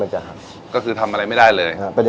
อันนี้คือเมล็ดโซบา